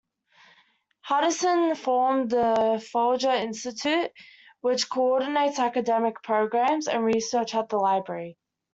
Hardison formed the Folger Institute, which coordinates academic programs and research at the Library.